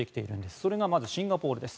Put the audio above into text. それが、シンガポールです。